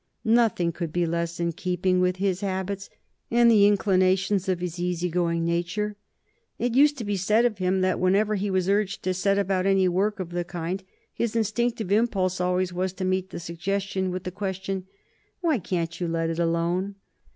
Nothing could be less in keeping with his habits and the inclinations of his easy going nature. It used to be said of him that whenever he was urged to set about any work of the kind his instinctive impulse always was to meet the suggestion with the question: "Why can't you let it alone?"